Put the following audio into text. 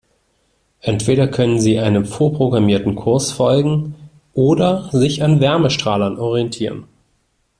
Entweder können sie einem vorprogrammierten Kurs folgen oder sich an Wärmestrahlern orientieren.